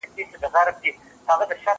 هم ښکنځلي پکښي وسوې هم جنګونه